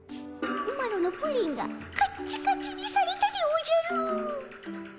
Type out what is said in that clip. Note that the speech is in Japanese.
マロのプリンがカッチカチにされたでおじゃる。